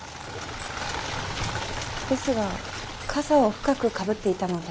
ですがかさを深くかぶっていたので。